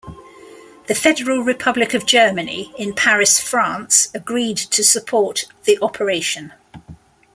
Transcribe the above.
The Federal Republic of Germany in Paris, France, agreed to support the operation.